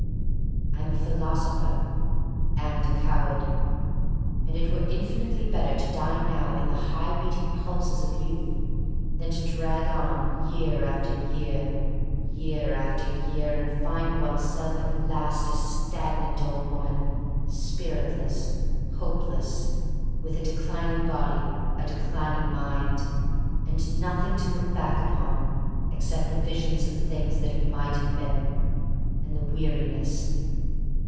I am a philosopher — and a coward. And it were infinitely better to die now in the high beating pulses of youth than to drag on, year after year, year after year, and find oneself at last a stagnant old woman, spiritless, hopeless, with a THE STORY OF MARY MAC LANE 1 5 declining body, a declining mind, — and nothing to look back upon except the visions of things that might have been — and the weariness.